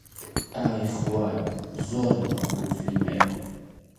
ئای خوایە، زۆر ڕقم لەم فیلمەیە!